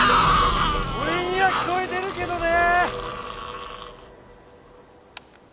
・俺には聞こえてるけどね！